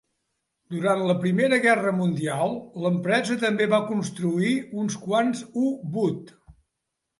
Durant la Primera Guerra Mundial, l'empresa també va construir uns quants U-boot.